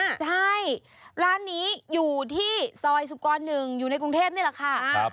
ใช่ร้านนี้อยู่ที่ซอยสุกร๑อยู่ในกรุงเทพนี่แหละค่ะ